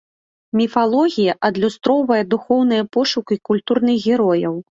Міфалогія адлюстроўвае духоўныя пошукі культурных герояў.